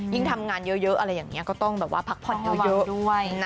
ทำงานเยอะอะไรอย่างนี้ก็ต้องแบบว่าพักผ่อนเยอะด้วยนะ